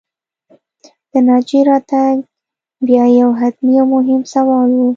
د ناجيې راتګ بیا یو حتمي او مهم سوال و